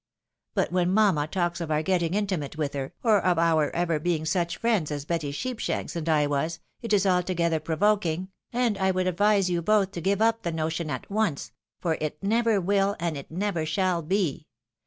But when mamma talks of our getting intimate with her, or of our ever being such fiiends as Betty Sheepshanks and I was, it is altogether provoking, and I would advise you both to give up the notion at once ; for it never vrill, and it never shall be.